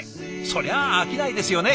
そりゃあ飽きないですよね。